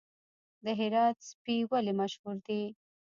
د هرات سپي ولې مشهور دي؟